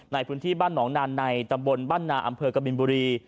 ในพื้นที่บ้านหนองนานในตำบลบ้านนาอำเภอกบินบุรี